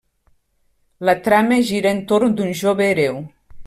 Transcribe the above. La trama gira entorn d'un jove hereu.